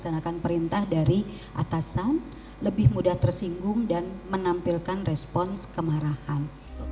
melaksanakan perintah dari atasan lebih mudah tersinggung dan menampilkan respons kemarahan